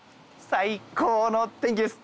最高の天気です。